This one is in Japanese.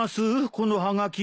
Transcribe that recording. このはがき。